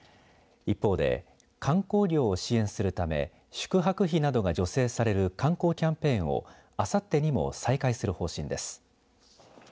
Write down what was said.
一方で、観光業を支援するため宿泊費などが助成される観光キャンペーンをあさってにも再開する方針です。